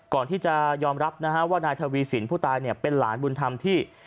ก่อนที่จะยอมรับนะฮะว่านายทวีสินผู้ตายเนี่ยเป็นหลานบุญธรรมที่